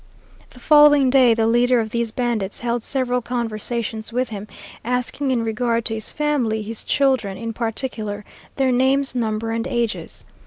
The following day the leader of these bandits held several conversations with him, asking in regard to his family, his children in particular, their names, number, and ages.